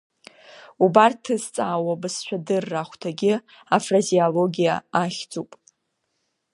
Убарҭ ҭызҵаауа абызшәадырра ахәҭагьы афразеологиа ахьӡуп.